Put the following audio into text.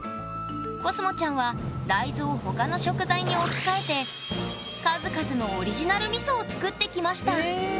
こすもちゃんは大豆を他の食材に置き換えて数々のオリジナルみそを作ってきましたへえ。